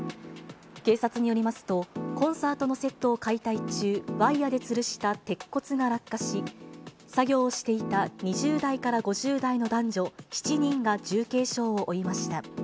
警察によりますと、コンサートのセットを解体中、ワイヤでつるした鉄骨が落下し、作業をしていた２０代から５０代の男女７人が重軽傷を負いました。